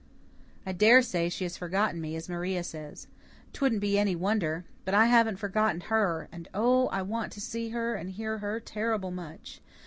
I daresay she has forgotten me, as Maria says. 'Twouldn't be any wonder. But I haven't forgotten her, and oh, I want to see and hear her terrible much.